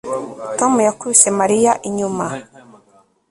Tom yakubise Mariya inyuma